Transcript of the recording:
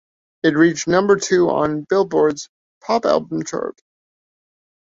It reached number two on "Billboard"'s Pop Albums Chart.